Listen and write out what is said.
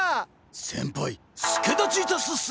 先輩助太刀致すっす！